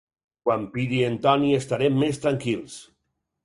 Quan piri en Toni estarem més tranquils.